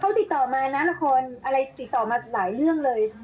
เขาติดต่อมานะละครอะไรติดต่อมาหลายเรื่องเลย